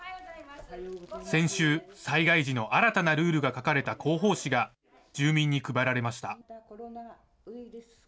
先週、災害時の新たなルールが書かれた広報誌が住民に配られました。